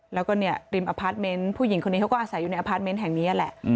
แล้วก็เนี่ยริมอพาร์ทเมนต์ผู้หญิงคนนี้เขาก็อาศัยอยู่ในอพาร์ทเมนต์แห่งนี้แหละ